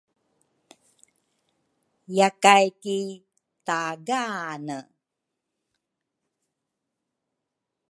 Yakay ki taagane